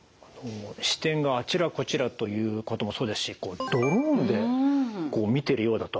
視点があちらこちらということもそうですしドローンで見てるようだと。